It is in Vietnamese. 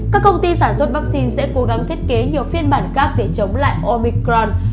các công ty sản xuất vaccine sẽ cố gắng thiết kế nhiều phiên bản khác để chống lại omicron